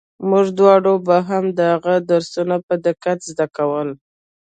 موږ دواړو به هم د هغه درسونه په دقت زده کول.